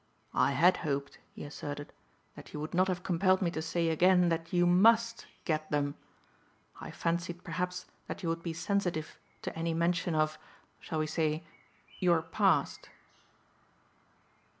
"I had hoped," he asserted, "that you would not have compelled me to say again that you must get them. I fancied perhaps that you would be sensitive to any mention of, shall we say, your past?"